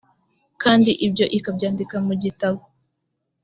kandi ibyo ikabyandika mu gitabo